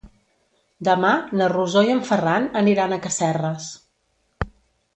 Demà na Rosó i en Ferran aniran a Casserres.